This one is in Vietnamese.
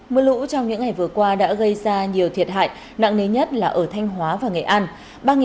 mưa lũ trong những ngày vừa qua đã gây ra nhiều thiệt hại nặng nế nhất là ở thanh hóa và nghệ an